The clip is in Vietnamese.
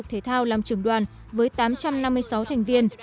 đoàn thể dục thể thao làm trưởng đoàn với tám trăm năm mươi sáu thành viên